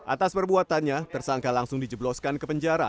atas perbuatannya tersangka langsung dijebloskan ke penjara